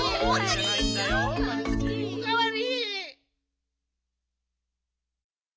おかわり！